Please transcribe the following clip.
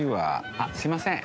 あっすいません。